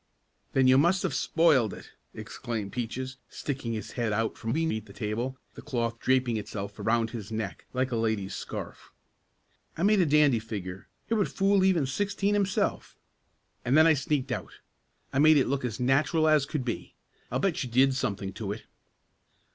"Then you must have spoiled it!" exclaimed Peaches, sticking his head out from beneath the table, the cloth draping itself around his neck like a lady's scarf. "I made a dandy figure. It would fool even Sixteen himself; and then I sneaked out. I made it look as natural as could be. I'll bet you did something to it."